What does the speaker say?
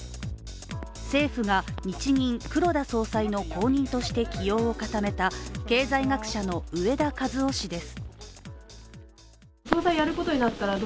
政府が日銀・黒田総裁の後任として起用を固めた経済学者の植田和男氏です。